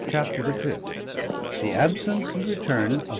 CHAPTER THE FIFTH THE ABSENCE AND RETURN OF MR.